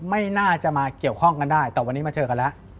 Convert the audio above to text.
ไม่น่าจะมาเกี่ยวข้องกันได้แต่วันนี้มาเจอกันแล้ว